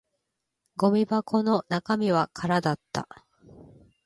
ゴミ箱の中身は空だった